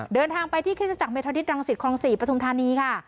เดินทางไปที่คริสตจักรเมทอดิตรังสิตคลอง๔ปฐุมธานีค่ะ